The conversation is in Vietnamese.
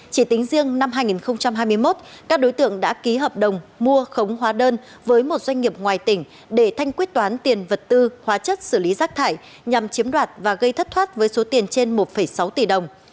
chỉ tính riêng năm hai nghìn hai mươi một các đối tượng đã ký hợp đồng mua khống hóa đơn với một doanh nghiệp ngoài tỉnh để thanh quyết toán tiền vật tư hóa chất xử lý rác thải nhằm chiếm đoạt và gây thất thoát với số tiền trên một sáu tỷ đồng